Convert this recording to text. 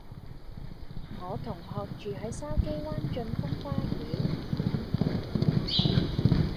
我同學住喺筲箕灣峻峰花園